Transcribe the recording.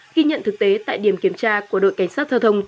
khi nhận thực tế tại điểm kiểm tra của đội cảnh sát thơ thông tân sơn nhất